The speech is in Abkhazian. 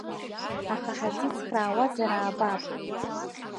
Аха ҳазицхраауазар аабап.